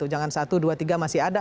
jangan satu dua tiga masih ada